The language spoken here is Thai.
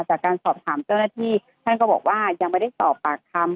จากการสอบถามเจ้าหน้าที่ท่านก็บอกว่ายังไม่ได้สอบปากคำ